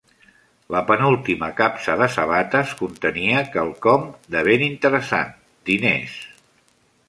La penúltima capsa de sabates contenia quelcom de ben interessant: diners.